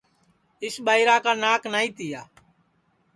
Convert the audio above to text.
اِس ٻائیرا کا ناک نائی تیا